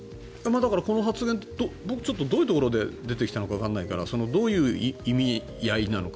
だから、この発言僕、どういうところで出てきたのかわからないからどういう意味合いなのか。